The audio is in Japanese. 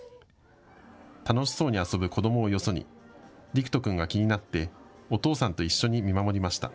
楽しそうに遊ぶ子どもをよそに睦人くんが気になってお父さんと一緒に見守りました。